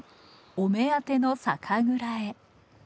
お目当ての酒蔵へ。